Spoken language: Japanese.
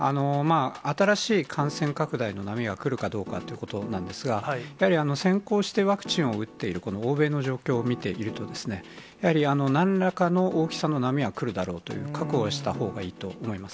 新しい感染拡大の波が来るかどうかということなんですが、やはり先行してワクチンを打っている欧米の状況を見ていると、やはり、なんらかの大きさの波は来るだろうという、覚悟したほうがいいと思います。